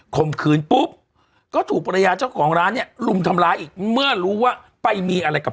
มขืนปุ๊บก็ถูกภรรยาเจ้าของร้านเนี่ยลุมทำร้ายอีกเมื่อรู้ว่าไปมีอะไรกับ